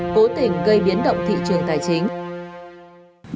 cố tình gây biến động thị trường tài chính